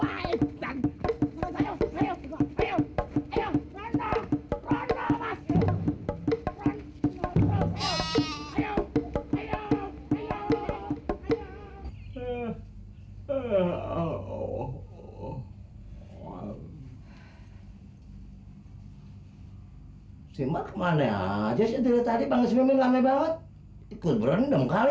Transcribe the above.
hai simak mana aja sendiri tadi panggilannya banget ikut berendam kali